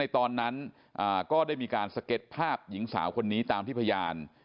ตอนนั้นก็ได้มีการสเก็ตภาพหญิงสาวคนนี้ตามที่พยาน